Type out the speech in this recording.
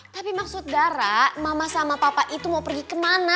tapi maksud dara mama sama papa itu mau pergi kemana